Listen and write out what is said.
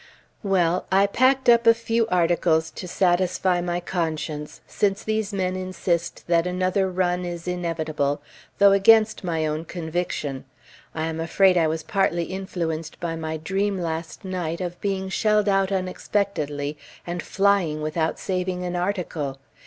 Well! I packed up a few articles to satisfy my conscience, since these men insist that another run is inevitable, though against my own conviction. I am afraid I was partly influenced by my dream last night of being shelled out unexpectedly and flying without saving an article.